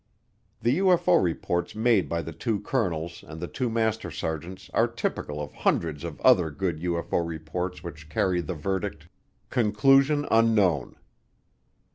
The UFO reports made by the two colonels and the two master sergeants are typical of hundreds of other good UFO reports which carry the verdict, "Conclusion unknown."